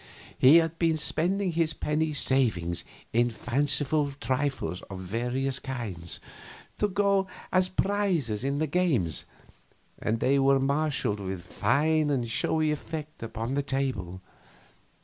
He had been spending his penny savings in fanciful trifles of various kinds, to go as prizes in the games, and they were marshaled with fine and showy effect upon the table.